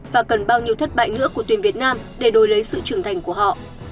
và cần bao nhiêu thất bại nữa của tuyển việt nam để đổi lấy sự trưởng thành của họ